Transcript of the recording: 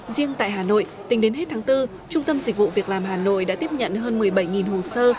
riêng tại hà nội tính đến hết tháng bốn trung tâm dịch vụ việc làm hà nội đã tiếp nhận hơn một mươi bảy hồ sơ